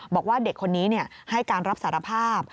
บอกว่าเด็กคนนี้ให้การรับสารภาพ